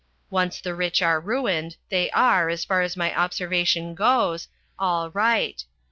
Once the rich are ruined, they are, as far as my observation goes, all right.